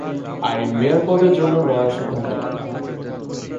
Irin mayor পদের জন্য লড়ার সিদ্ধান্ত নেয়।